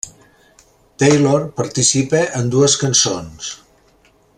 Taylor participa en dues cançons.